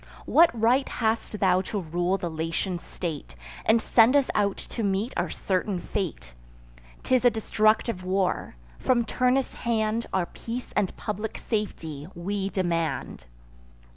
What right hast thou to rule the Latian state, And send us out to meet our certain fate? 'Tis a destructive war: from Turnus' hand Our peace and public safety we demand.